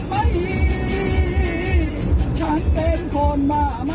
ไม่กลับกลับ